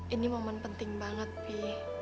ini momen penting banget nih